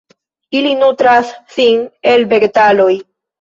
Ili nutras sin el vegetaloj.